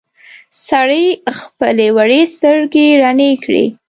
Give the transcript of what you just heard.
سړي خپلې وړې سترګې رڼې کړې.